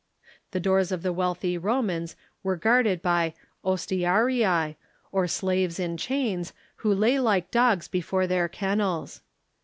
The doors of the wealthy Romans were guarded by ostiarii, or slaves in chains, who lay like dogs be fore their kennels.